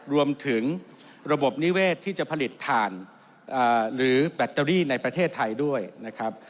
รวมถึงระบบนิเวศที่จะผลิตฐานหรือแบตเตอรี่ในประเทศไทยด้วยนะครับ